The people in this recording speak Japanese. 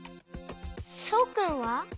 そうくんは？